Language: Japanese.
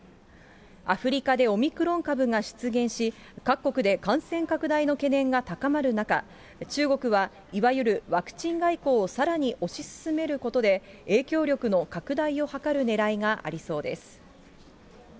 アフリカでオミクロン株が出現し、各国で感染拡大の懸念が高まる中、中国は、いわゆるワクチン外交をさらに推し進めることで、影響力の拡大を図るねらいがありそうです。